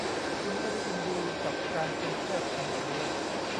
คุณไม่ได้ยินดีกับการเป็นแพทย์ของฉันเลย